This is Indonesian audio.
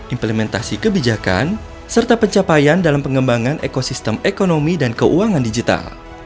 implementasi kebijakan serta pencapaian dalam pengembangan ekosistem ekonomi dan keuangan digital